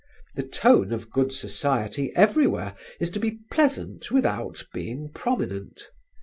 The tone of good society everywhere is to be pleasant without being prominent.